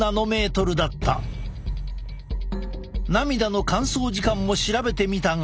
涙の乾燥時間も調べてみたが。